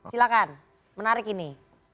silahkan menarik ini